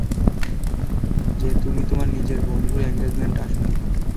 যে তুমি তোমার নিজের বন্ধুর এঙ্গেজমেন্টে আসো নি।